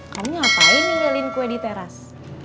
kamu ngapain ninggalin kue di teras